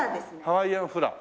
ハワイアンフラ。